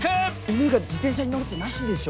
犬が自転車に乗るってなしでしょ。